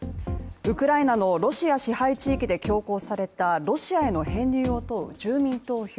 ウクライナのロシア支配地域で強行されたロシアへの編入を問う住民投票。